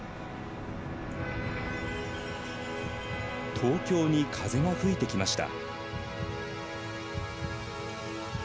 東京に風が吹いてきました。